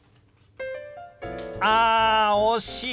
あ惜しい！